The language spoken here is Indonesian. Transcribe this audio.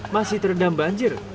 masih terendam banjir